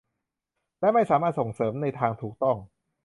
และไม่สามารถส่งเสิรมในทางที่ถูกต้อง